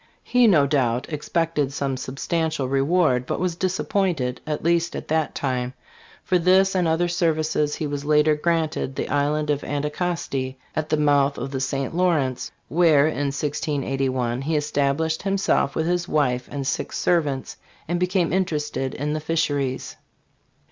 He no doubt expected some substantial reward, but was disappointed, at least at that time, though for this and other services he was later granted the island of Anticosti at the mouth of the St. Lawrence, where in 1681 he es tablished himself with his wife and six servants, and became interested in the fisheries.